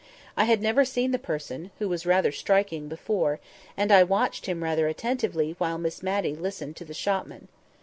I had never seen the person (who was rather striking) before, and I watched him rather attentively while Miss Matty listened to the shopman.